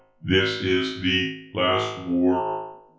This is the last war.